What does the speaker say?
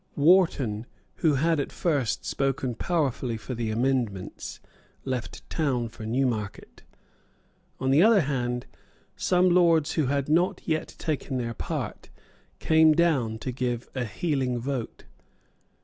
Wharton, who had at first spoken powerfully for the amendments, left town for Newmarket. On the other hand, some Lords who had not yet taken their part came down to give a healing vote.